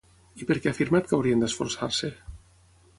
I per què ha afirmat que haurien d'esforçar-se?